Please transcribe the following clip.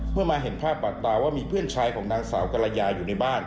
มาเห็นภาพปัดตาว่ามีเพื่อนชายของนางสาวกรยาอยู่ในบ้าน